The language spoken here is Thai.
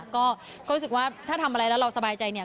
ก็รู้สึกว่าถ้าทำอะไรแล้วเราสบายใจเนี่ย